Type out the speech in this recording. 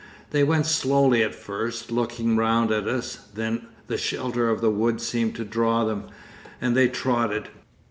They went slowly at first, looking round at us, then the shelter of the wood seemed to draw them, and they trotted.